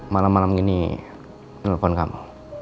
malam malam ini nelfon kamu